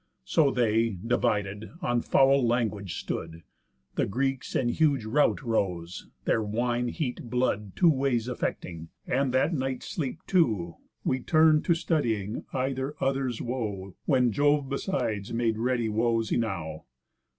So they, divided, on foul language stood. The Greeks in huge rout rose, their wine heat blood Two ways affecting. And, that night's sleep too, We turn'd to studying either other's woe; When Jove besides made ready woes enow.